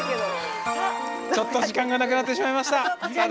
ちょっと時間がなくなってしまいました。